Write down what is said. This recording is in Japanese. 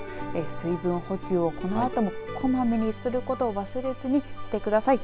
水分補給をこのあともこまめにすることを忘れずにしてください。